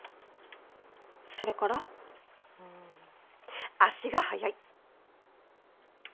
それから？ん足が速い！